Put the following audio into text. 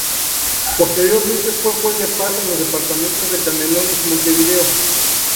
Posteriormente fue juez de paz en los departamentos de Canelones y Montevideo.